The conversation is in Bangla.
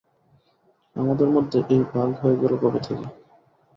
আমাদের মধ্যে এই ভাগ হয়ে গেল কবে থেকে।